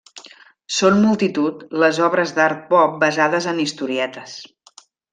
Són multitud les obres d'art pop basades en historietes.